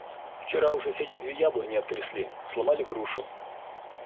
– Вчера у соседей две яблони обтрясли, сломали грушу.